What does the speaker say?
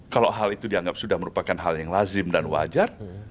kalau hal itu dianggap sudah merupakan hal yang lazim dan wajar